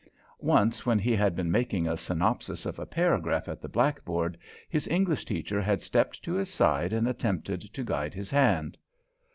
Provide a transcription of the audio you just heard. Once, when he had been making a synopsis of a paragraph at the blackboard, his English teacher had stepped to his side and attempted to guide his hand.